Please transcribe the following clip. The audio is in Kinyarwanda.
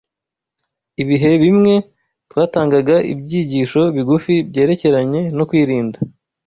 Ibihe bimwe, twatangaga ibyigisho bigufi byerekeranye no kwirinda,